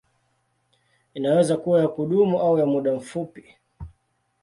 Inaweza kuwa ya kudumu au ya muda mfupi.